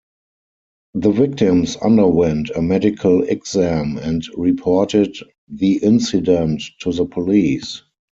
The victims underwent a medical exam and reported the incident to the police.